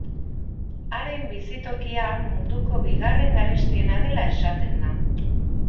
Haren bizitokia munduko bigarren garestiena dela esaten da.